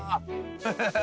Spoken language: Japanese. ハハハハ！